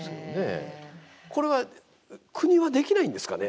これは国はできないんですかね。